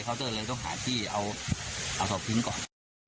เขาก็เลยต้องหาที่เอาศพทิ้งก่อน